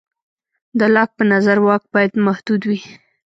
د لاک په نظر واک باید محدود وي.